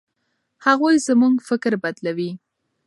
هغوی زموږ فکر بدلوي.